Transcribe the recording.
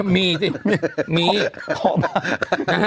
มีสิมีเคาะบ้าน